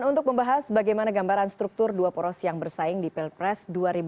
dan untuk membahas bagaimana gambaran struktur dua poros yang bersaing di pilpres dua ribu sembilan belas